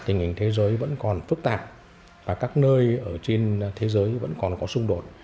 tình hình thế giới vẫn còn phức tạp và các nơi ở trên thế giới vẫn còn có xung đột